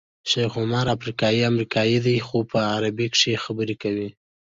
شیخ عمر افریقایی امریکایی دی خو په عربي کې ښې خبرې کوي.